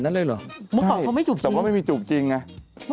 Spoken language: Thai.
เมื่อก่อนเขาไม่จูบจริงเธอ